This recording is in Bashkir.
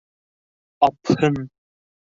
— Апһын!